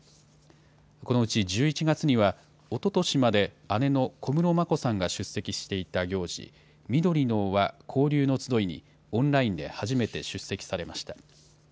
このうち１１月には、おととしまで姉の小室眞子さんが出席していた行事、みどりのわ交流のつどいに、オンラインで初めて出席されました。